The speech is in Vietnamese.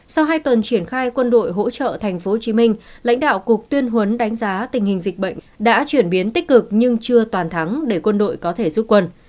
sau hai tuần triển khai quân đội hỗ trợ tp hcm lãnh đạo cục tuyên huấn đánh giá tình hình dịch bệnh đã chuyển biến tích cực nhưng chưa toàn thắng để quân đội có thể rút quân